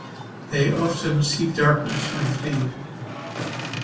They often seek darkness when fleeing.